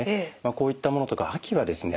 こういったものとか秋はですね